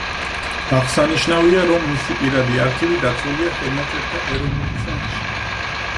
აღსანიშნავია, რომ მისი პირადი არქივი დაცულია ხელნაწერთა ეროვნულ ცენტრში.